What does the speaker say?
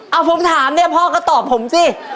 เอาผมถามเนี่ยพ่อก็ตอบผมสิ